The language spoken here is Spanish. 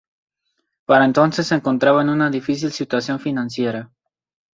Para entonces se encontraba en una difícil situación financiera.